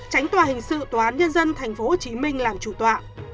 tránh tòa hình sự tòa án nhân dân tp hcm làm chủ tọa